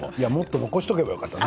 残しておけばよかった。